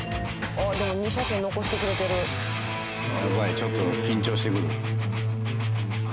ちょっと緊張してくる。